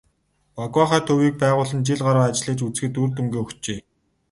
"Багваахай" төвийг байгуулан жил гаруй ажиллаж үзэхэд үр дүнгээ өгчээ.